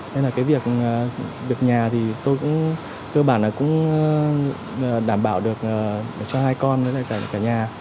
nên là việc nhà tôi cũng đảm bảo được cho hai con và cả nhà